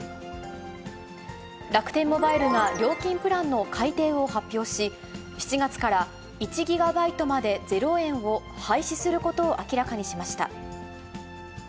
楽天モバイルが料金プランの改定を発表し、７月から１ギガバイトまで０円を廃止することを明らかにしました。